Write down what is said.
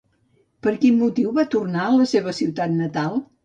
Per quin motiu va tornar a la seva ciutat natal?